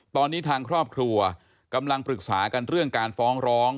ตอนนี้ทางครอบครัวกำลังปรึกษากันเรื่องการฟ้องร้อง